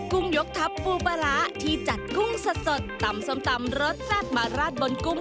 ุ้งยกทัพปูปลาร้าที่จัดกุ้งสดตำส้มตำรสแซ่บมาราดบนกุ้ง